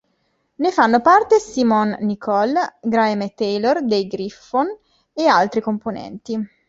Ne fanno parte Simon Nicol, Graeme Taylor dei Gryphon ed altri componenti.